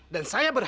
dan saya berhak